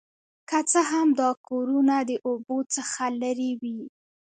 که څه هم دا کورونه د اوبو څخه لرې وي